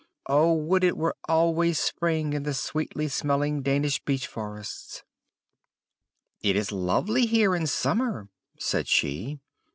"Oh, would it were always spring in the sweetly smelling Danish beech forests!" * Asperula odorata. "It is lovely here in summer!" said she.